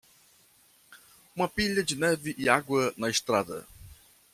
uma pilha de neve e água na estrada